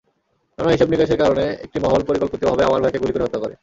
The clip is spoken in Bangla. নানা হিসাব-নিকাশের কারণে একটি মহল পরিকল্পিতভাবে আমার ভাইকে গুলি করে হত্যা করে।